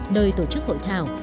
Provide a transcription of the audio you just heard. nơi tổ chức hội thảo